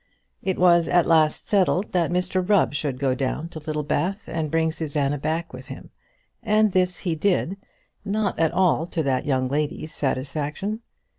It was at last settled that Mr Rubb should go down to Littlebath and bring Susanna back with him; and this he did, not at all to that young lady's satisfaction.